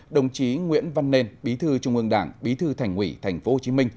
đồng chí nguyễn văn nền bí thư trung ương đảng bí thư thành quỷ tp hcm